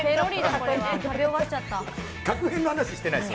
確変の話してないです。